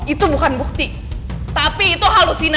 itu bukan bukti tapi itu halusinasi